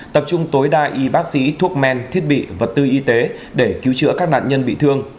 tập trung tối đa y bác sĩ thuốc men thiết bị vật tư y tế để cứu chữa các nạn nhân bị thương